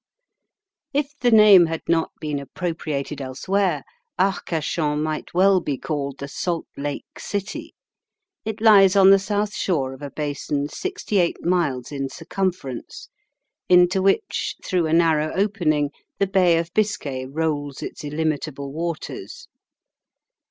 If the name had not been appropriated elsewhere, Arcachon might well be called the Salt Lake City. It lies on the south shore of a basin sixty eight miles in circumference, into which, through a narrow opening, the Bay of Biscay rolls its illimitable waters.